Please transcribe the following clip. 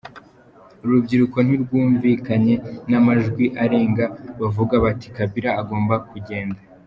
Uru rubyiruko rwumvikanye n’amajwi arenga bavuga bati "Kabila agomba kugenda".